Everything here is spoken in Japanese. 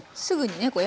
すぐにね